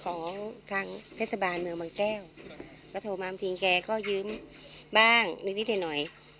ของทางเทศบาลเมืองบางแก้วก็โทรมาบางทีแกก็ยืมบ้างนิดหน่อย